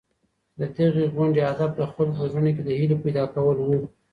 د دغي غونډې هدف د خلکو په زړونو کي د هیلې پیدا کول وو.